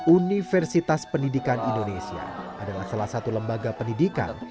universitas pendidikan indonesia adalah salah satu lembaga pendidikan